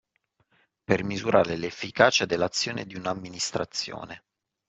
Per misurare l'efficacia dell'azione di una amministrazione